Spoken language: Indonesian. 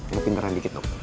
lo pindahkan dikit dong